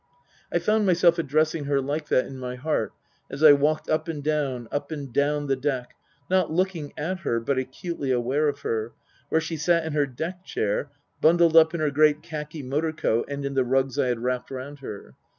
I found myself addressing her like that, in my heart, as I walked up and down, up and down the deck, not looking at her, but acutely aware of her, where she sat in her deck chair, bundled up in her great khaki motor coat and in the rugs I had wrapped round her.